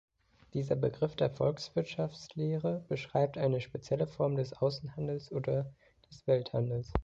Dieser Begriff der Volkswirtschaftslehre beschreibt eine spezielle Form des Außenhandels oder des Welthandels.